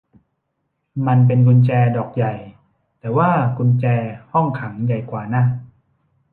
มันเป็นกุญแจดอกใหญ่ แต่ว่ากุญแจห้องขังใหญ่กว่านะ